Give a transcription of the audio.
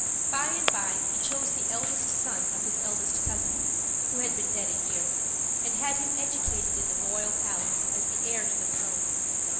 By and by he chose the eldest son of his eldest cousin (who had been dead a year), and had him educated in the royal palace, as the heir to the throne.